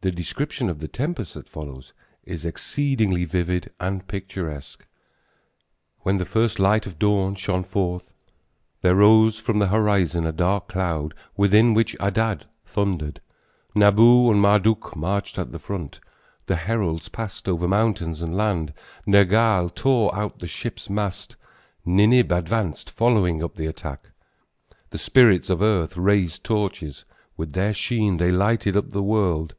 The description of the tempest that follows is exceedingly vivid and picturesque. When the first light of dawn shone forth, There rose from the horizon a dark cloud, within which Adad thundered, Nabu and Marduk marched at the front, The heralds passed over mountains and land; Nergal tore out the ship's mast, Ninib advanced, following up the attack, The spirits of earth raised torches, With their sheen they lighted up the world.